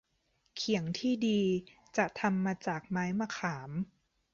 เขียงที่ดี จะทำมาจากไม้มะขาม